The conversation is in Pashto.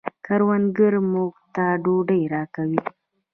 کروندګر موږ ته ډوډۍ راکوي